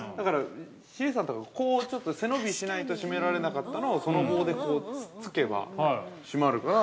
ＣＡさんとか背伸びしないと閉められなかったのをその棒で、こう、つっつけば閉まるから。